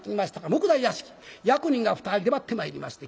目代屋敷役人が２人出張ってまいりまして。